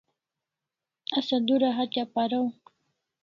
Asa dura hatya paraw